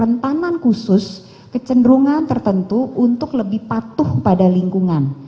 dan itu adalah kecenderungan khusus kecenderungan tertentu untuk lebih patuh pada lingkungan